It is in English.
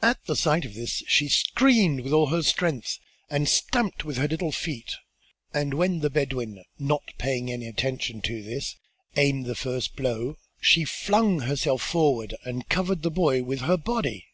At the sight of this she screamed with all her strength and stamped with her little feet, and when the Bedouin, not paying any attention to this, aimed the first blow, she flung herself forward and covered the boy with her body.